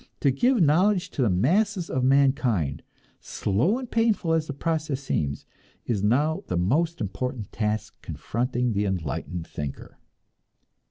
To give knowledge to the masses of mankind, slow and painful as the process seems, is now the most important task confronting the enlightened thinker.